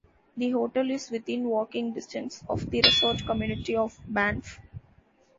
The hotel is within walking distance of the resort community of Banff.